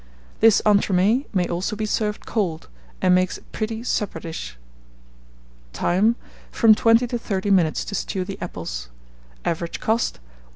This entremets may also be served cold, and makes a pretty supper dish. Time. From 20 to 30 minutes to stew the apples. Average cost, 1s.